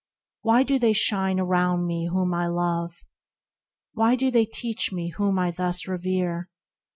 Why do they shine around me whom I love ? Why do they teach me, whom I thus revere